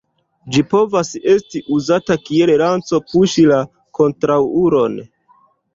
Ĝi povas esti uzata kiel lanco puŝi la kontraŭulon.